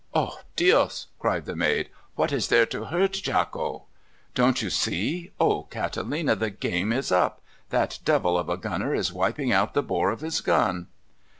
"O dios!" cried the maid, "what is there to hurt, Jacko?" "Don't you see? Oh, Catalina, the game is up! That devil of a gunner is wiping out the bore of his gun!"